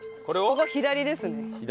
ここ左ですね。